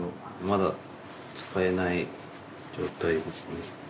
まだ使えない状態ですね。